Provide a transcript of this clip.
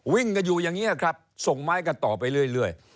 วิ่งกันอยู่อย่างนี้ครับส่งไม้กันต่อไปเรื่อย